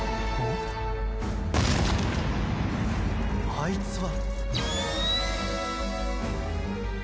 あいつは。